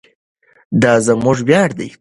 دا زموږ ویاړ دی.